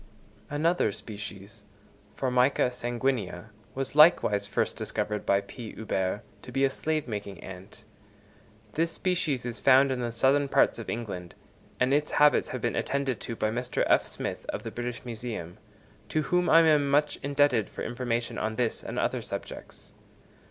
Another species, Formica sanguinea, was likewise first discovered by P. Huber to be a slave making ant. This species is found in the southern parts of England, and its habits have been attended to by Mr. F. Smith, of the British Museum, to whom I am much indebted for information on this and other subjects.